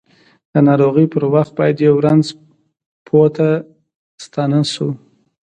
د ناروغۍ پر وخت باید یؤ رنځ پوه ته ستانه شوو!